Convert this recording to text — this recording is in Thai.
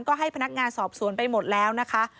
ก็ให้พนักงานสอบสวนไปหมดแล้วนะคะ